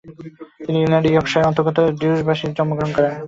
তিনি ইংল্যান্ডের ইয়র্কশায়ারের অন্তর্গত ডিউসবারিতে জন্মগ্রহণ করেন।